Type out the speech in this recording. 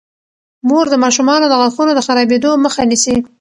مور د ماشومانو د غاښونو د خرابیدو مخه نیسي.